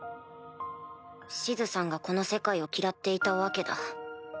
シズさんがこの世界を嫌っていたわけだ。